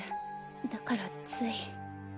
だからつい。